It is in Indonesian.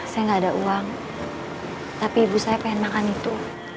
saya nggak ada uang tapi ibu saya pengen makan itu